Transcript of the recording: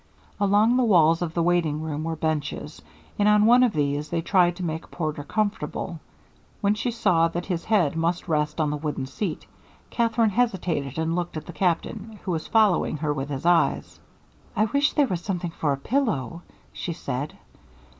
Along the walls of the waiting room were benches, and on one of these they tried to make Porter comfortable. When she saw that his head must rest on the wooden seat, Katherine hesitated and looked at the Captain, who was following her with his eyes. "I wish there was something for a pillow," she said.